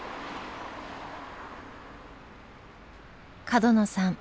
角野さん